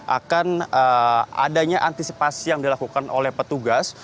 akan adanya antisipasi yang dilakukan oleh petugas